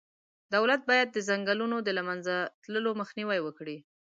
دولت باید د ځنګلونو د له منځه تللو مخنیوی وکړي.